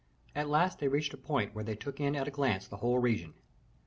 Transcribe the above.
At last they reached a point where they took in at a glance the whole region.